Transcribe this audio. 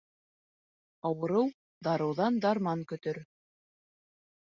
Ауырыу дарыуҙан дарман көтөр.